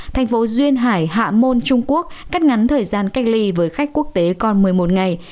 thành phố duyên hải hạ môn trung quốc cắt ngắn thời gian cách ly với khách quốc tế còn một mươi một ngày